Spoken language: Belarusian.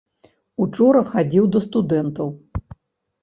Учора хадзіў да студэнтаў.